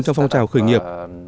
trong phong trào khởi nghiệp